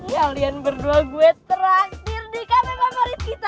kalian berdua gue terakhir di kpm favorit kita